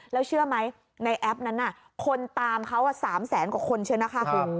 แล้วเชื่อไหมในแอปนั้นคนตามเขา๓แสนกว่าคนใช่ไหมคะคุณ